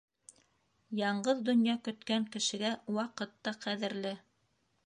Янғыҙ донъя көткән кешегә ваҡыт та ҡәҙерле.